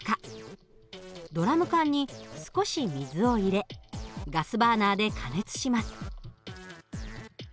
ドラム缶に少し水を入れガスバーナーで加熱します。